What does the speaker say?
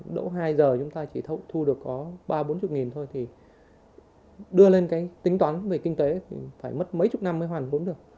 đỗ hai giờ chúng ta chỉ thu được có ba bốn mươi thôi thì đưa lên cái tính toán về kinh tế thì phải mất mấy chục năm mới hoàn vốn được